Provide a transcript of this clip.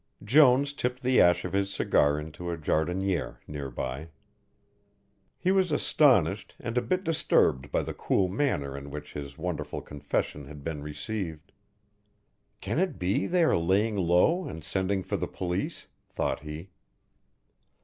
Jones tipped the ash of his cigar into a jardinière near by. He was astonished and a bit disturbed by the cool manner in which his wonderful confession had been received. "Can it be they are laying low and sending for the police?" thought he.